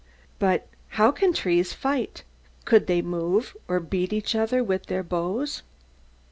But how can trees fight? Could they move or beat each other with their boughs?